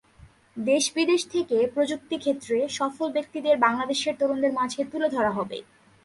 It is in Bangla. দেশ-বিদেশ থেকে প্রযুক্তি ক্ষেত্রে সফল ব্যক্তিদের বাংলাদেশের তরুণদের মাঝে তুলে ধরা হবে।